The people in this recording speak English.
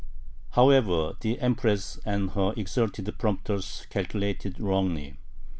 However, the Empress and her exalted prompters calculated wrongly.